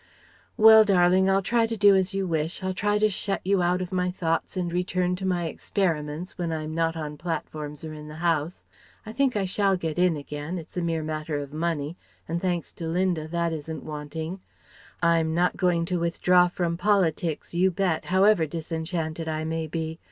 "Well, darling, I'll try to do as you wish. I'll try to shut you out of my thoughts and return to my experiments, when I'm not on platforms or in the House. I think I shall get in again it's a mere matter of money, and thanks to Linda that isn't wanting. I'm not going to withdraw from politics, you bet, however disenchanted I may be.